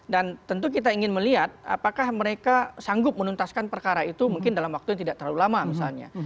dan tentu kita ingin melihat apakah mereka sanggup menuntaskan perkara itu mungkin dalam waktu yang tidak terlalu lama misalnya